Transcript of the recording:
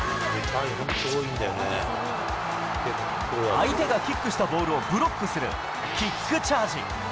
相手がキックしたボールをブロックするキックチャージ。